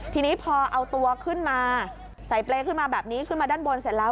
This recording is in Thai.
ทีนี้พอเอาตัวขึ้นมาใส่เปรย์ขึ้นมาแบบนี้ขึ้นมาด้านบนเสร็จแล้ว